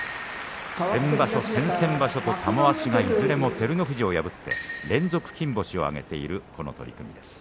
先場所、先々場所と玉鷲がいずれも照ノ富士を破って連続金星を挙げている取組です。